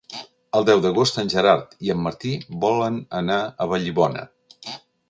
El deu d'agost en Gerard i en Martí volen anar a Vallibona.